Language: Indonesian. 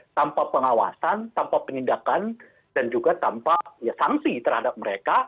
tanpa pengawasan tanpa penindakan dan juga tanpa sanksi terhadap mereka